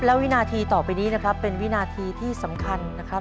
และวินาทีต่อไปนี้นะครับเป็นวินาทีที่สำคัญนะครับ